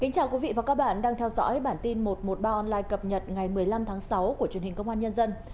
chào mừng quý vị đến với bản tin một trăm một mươi ba online cập nhật ngày một mươi năm tháng sáu của truyền hình công an nhân dân